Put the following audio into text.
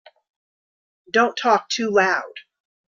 Don't talk too loud.